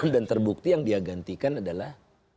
dan terbukti yang dia gantikan adalah